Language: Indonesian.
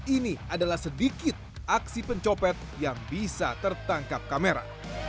ini adalah sedikit aksi pencopet yang bisa tertangkap kamera